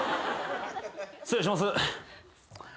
失礼します。